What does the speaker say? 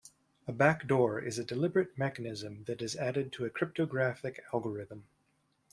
A backdoor is a deliberate mechanism that is added to a cryptographic algorithm.